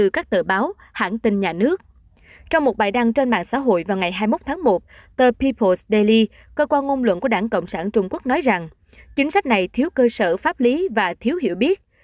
chính sách này thiếu cơ sở pháp lý và thiếu hiểu biết